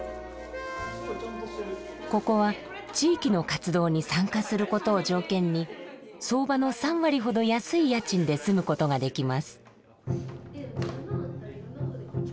ここは地域の活動に参加することを条件に相場の３割ほど安い家賃で住むことができます。